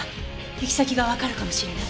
行き先がわかるかもしれない。